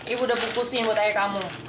ibu udah berkusi yang buat ayah kamu